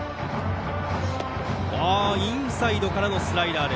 インサイドからのスライダー。